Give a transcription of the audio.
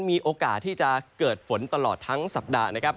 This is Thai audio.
มีโอกาสที่จะเกิดฝนตลอดทั้งสัปดาห์นะครับ